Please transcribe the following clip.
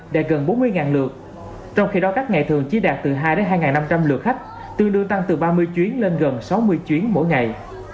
đạt gần bốn mươi lượt trong khi đó các ngày thường chỉ đạt từ hai hai năm trăm linh lượt khách tương đương tăng từ ba mươi chuyến lên gần sáu mươi chuyến mỗi ngày